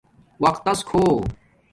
وقتس کھوہ